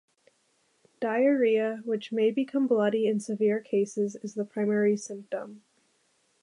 Diarrhea, which may become bloody in severe cases, is the primary symptom.